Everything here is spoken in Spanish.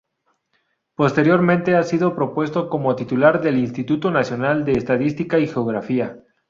Posteriormente ha sido propuesto como titular del Instituto Nacional de Estadística y Geografía.